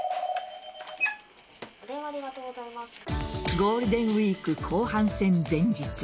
ゴールデンウイーク後半戦前日。